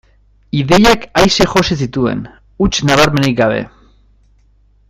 Ideiak aise josi zituen, huts nabarmenik gabe.